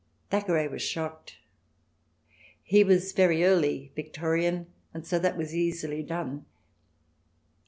Thack eray was shocked. He was very Early Victorian, and so that was easily done.